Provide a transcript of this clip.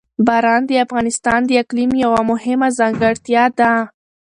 باران د افغانستان د اقلیم یوه مهمه ځانګړتیا ده.